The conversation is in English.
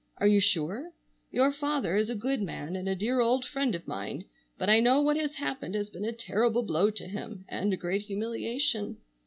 Are you sure? Your father is a good man, and a dear old friend of mine, but I know what has happened has been a terrible blow to him, and a great humiliation.